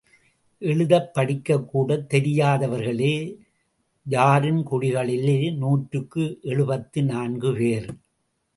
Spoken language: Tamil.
எழுதப் படிக்க கூடத் தெரியாதவர்களே ஜாரின் குடிகளிலே நூற்றுக் எழுபத்து நான்கு பேர்.